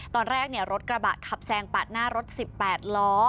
ตอนแรกรถกระบะขับแซงปาดหน้ารถ๑๘ล้อ